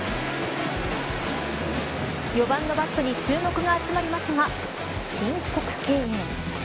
４番のバットに注目が集まりますが申告敬遠。